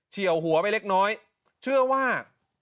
ี่ยวหัวไปเล็กน้อยเชื่อว่า